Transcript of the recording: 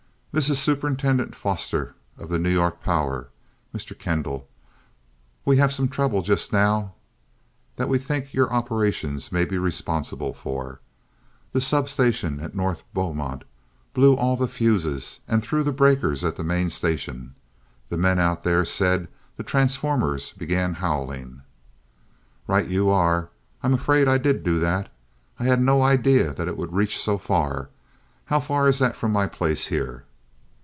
"This is Superintendent Foster, of the New York Power, Mr. Kendall. We have some trouble just now that we think your operations may be responsible for. The sub station at North Beaumont blew all the fuses, and threw the breakers at the main station. The men out there said the transformers began howling " "Right you are I'm afraid I did do that. I had no idea that it would reach so far. How far is that from my place here?"